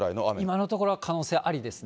今のところは可能性ありですね。